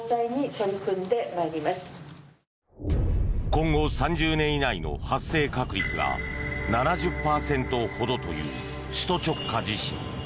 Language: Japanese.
今後３０年以内の発生確率が７０％ほどという首都直下地震。